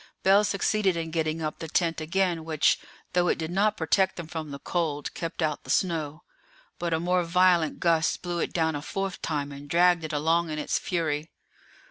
Bell succeeded in getting up the tent again, which, though it did not protect them from the cold, kept out the snow. But a more violent gust blew it down a fourth time, and dragged it along in its fury.